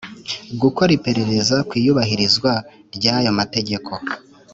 gukora iperereza ku iyubahirizwa ry’ayo mategeko,